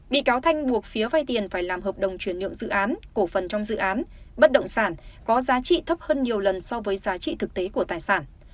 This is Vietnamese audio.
bị cáo thanh buộc phía vay tiền phải làm hợp đồng chuyển nhượng dự án cổ phần trong dự án bất động sản có giá trị thấp hơn nhiều lần so với giá trị thực tế của tài sản